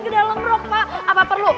ke dalam rok pak apa perlu